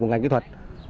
của ngành kỹ thuật